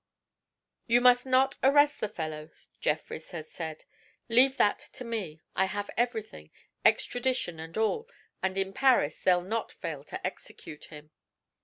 'You must not arrest the fellow,' Jeffrys had said. 'Leave that to me. I have everything extradition and all and in Paris they'll not fail to execute him.'